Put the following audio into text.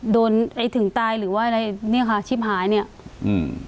ไอ้ถึงตายหรือว่าอะไรเนี้ยค่ะชิบหายเนี้ยอืม